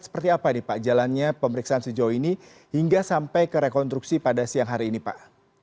seperti apa nih pak jalannya pemeriksaan sejauh ini hingga sampai ke rekonstruksi pada siang hari ini pak